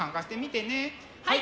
はい。